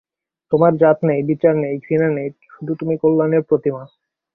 তোমার জাত নেই, বিচার নেই, ঘৃণা নেই–শুধু তুমি কল্যাণের প্রতিমা।